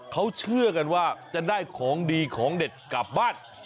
เขาเชื่อกันว่าจะได้ของดีของเด็ดกลับบ้าน